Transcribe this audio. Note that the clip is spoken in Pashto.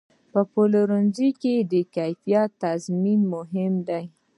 په پلورنځي کې د کیفیت تضمین مهم دی.